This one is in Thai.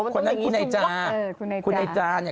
คนนั้นคือในจา